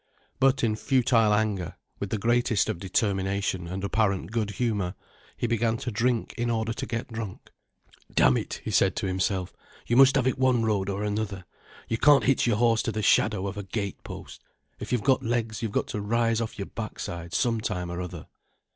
But, in futile anger, with the greatest of determination and apparent good humour, he began to drink in order to get drunk. "Damn it," he said to himself, "you must have it one road or another—you can't hitch your horse to the shadow of a gate post—if you've got legs you've got to rise off your backside some time or other."